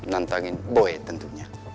nantangin boy tentunya